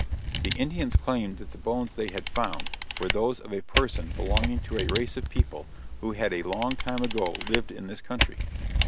The Indians claimed that the bones they had found were those of a person belonging to a race of people who a long time ago lived in this country.